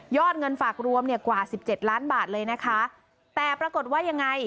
เงินฝากรวมเนี่ยกว่าสิบเจ็ดล้านบาทเลยนะคะแต่ปรากฏว่ายังไง